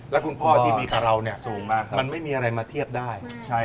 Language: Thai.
แล้วคุณพ่อที่มีกับเราเนี่ยสูงมากมันไม่มีอะไรมาเทียบได้